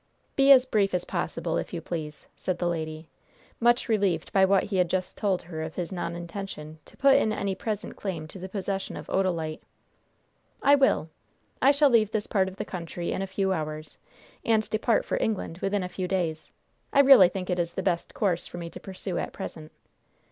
"Be as brief as possible, if you please," said the lady, much relieved by what he had just told her of his non intention to put in any present claim to the possession of Odalite. "I will. I shall leave this part of the country in a few hours, and depart for England within a few days. I really think it is the best course for me to pursue at present."